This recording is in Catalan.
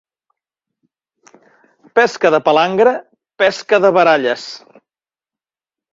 Pesca de palangre, pesca de baralles.